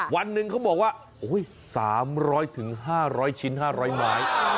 วันหนึ่งเขาบอกว่าโอ้ยสามร้อยถึงห้าร้อยชิ้นห้าร้อยไม้อ๋อ